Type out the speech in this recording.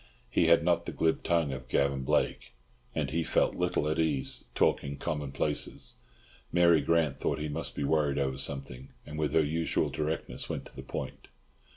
He had not the glib tongue of Gavan Blake, and he felt little at ease talking common places. Mary Grant thought he must be worried over something, and, with her usual directness, went to the point.